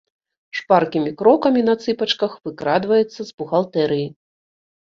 Шпаркімі крокамі на цыпачках выкрадваецца з бухгалтэрыі.